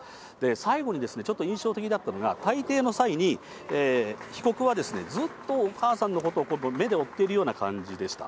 最後にですね、ちょっと印象的だったのが、退廷の際に、被告はずっとお母さんのことを目で追ってるような感じでした。